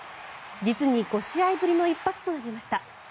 実に５試合ぶりの一発となりました。